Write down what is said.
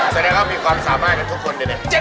แสดงว่ามีความสามารถกับทุกคนเลยเนี่ย